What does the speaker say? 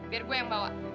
biar gue yang bawa